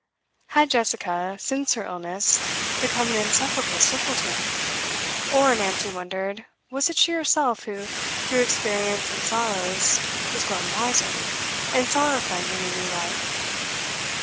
Had Jessica, since her illness, become an insufferable simpleton? or Nancy wondered was it she herself who, through experience and sorrows, was grown wiser, and saw her friend in a new light?